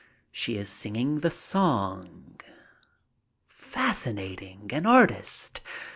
She is singing the song. Fascinating! An artist !